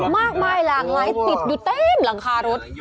มากมายหลากหลายติดอยู่เต็มหลังคารถ